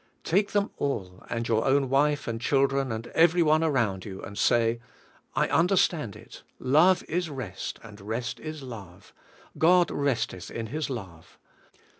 Take them all, and your own wife and chil dren and every one around you and sa}^, "I un derstand it, love is rest, and rest is love. God resteth in His love.